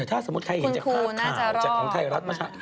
คุณครูน่าจะรอด